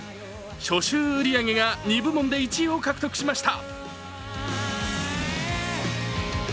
初週売り上げが２部門で１位を獲得しました。